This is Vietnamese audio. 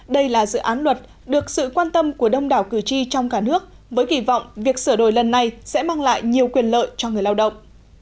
đây là dự án luật được sự quan tâm của đông đảo cử tri trong cả nước với kỳ vọng việc sửa đổi lần này sẽ mang lại nhiều quyền lợi cho người lao động